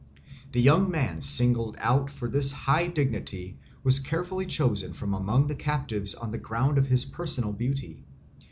The young man singled out for this high dignity was carefully chosen from among the captives on the ground of his personal beauty.